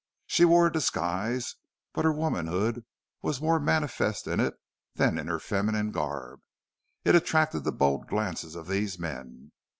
She wore a disguise, but her womanhood was more manifest in it than in her feminine garb. It attracted the bold glances of these men.